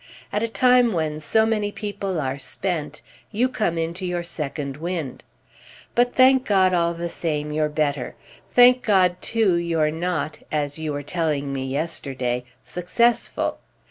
At a time when so many people are spent you come into your second wind. But, thank God, all the same, you're better! Thank God, too, you're not, as you were telling me yesterday, 'successful.